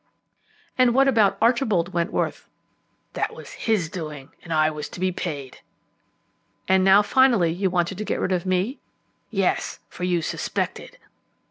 "And what about Archibald Wentworth?" "That was his doing, and I was to be paid." "And now finally you wanted to get rid of me?" "Yes; for you suspected."